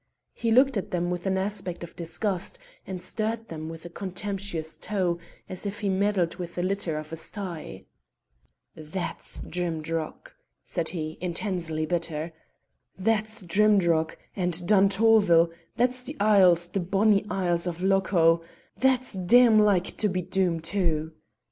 He looked at them with an aspect of disgust, and stirred them with a contemptuous toe as if he meddled with the litter of a stye. "That's Drimdarroch!" said he, intensely bitter; "that's Drimdarroch, and Duntorvil, that's the Isles, the bonny Isles of Lochow; that's damn like to be Doom too!